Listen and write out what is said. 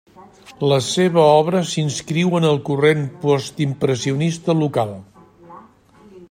La seva obra s'inscriu en el corrent postimpressionista local.